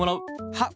はっ！